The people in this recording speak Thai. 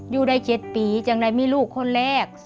อยู่ได้๗ปีจังได้มีลูกคนแรก